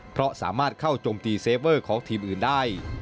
เพราะสามารถเข้าโจมตีเซฟเวอร์ของทีมอื่นได้